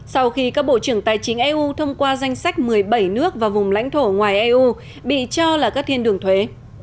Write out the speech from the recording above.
sau khi các bộ trưởng tài chính eu thông qua danh sách một mươi bảy nước và vùng lãnh thổ ngoài eu bị cho là các thiên đường thuế